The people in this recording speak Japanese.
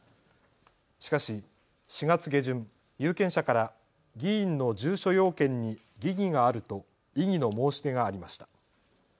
しかし４月下旬、有権者から議員の住所要件に疑義があると異議の申し出がありました。